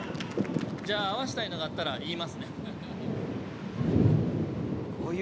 じゃあ合わしたいのがあったら言いますねご